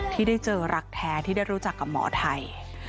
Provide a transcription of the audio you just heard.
ที่ได้เจอรักแท้ที่ได้รู้จักกับหมอไทย